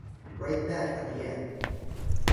Right back at ya.